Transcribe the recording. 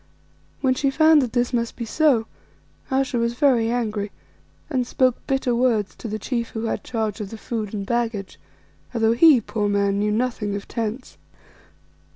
When she found that this must be so, Ayesha was very angry and spoke bitter words to the chief who had charge of the food and baggage, although, he, poor man, knew nothing of tents.